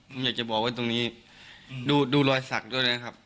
ผมอยากจะบอกไว้ตรงนี้ดูรอยสักด้วยนะครับ